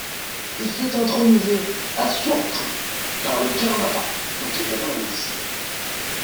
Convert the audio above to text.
Il fut intronisé à Tsourphou par le karmapa, dont il devint le disciple.